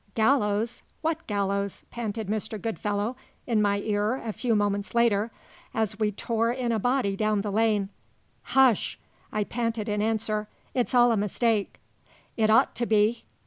"Gallows? What gallows?" panted Mr. Goodfellow in my ear a few moments later, as we tore in a body down the lane. "Hush!" I panted in answer. "It's all a mistake." "It ought to be."